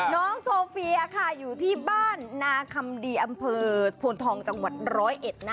น้องโซเฟียค่ะอยู่ที่บ้านนาคำดีอำเภอโพนทองจังหวัดร้อยเอ็ดนะ